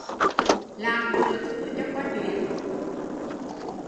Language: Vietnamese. Làm bừa phứa cho qua chuyện